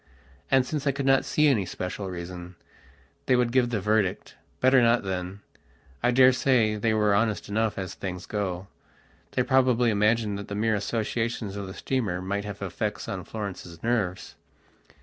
And since I could not see any special reason, they would give the verdict: "Better not, then." I daresay they were honest enough, as things go. They probably imagined that the mere associations of the steamer might have effects on Florence's nerves.